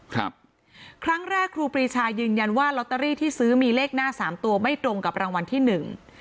ครับครั้งแรกครูปรีชายืนยันว่าลอตเตอรี่ที่ซื้อมีเลขหน้าสามตัวไม่ตรงกับรางวัลที่หนึ่ง